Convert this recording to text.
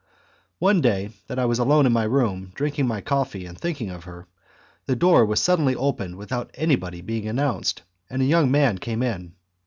One day that I was alone in my room, drinking my coffee and thinking of her, the door was suddenly opened without anyone being announced, and a young man came in.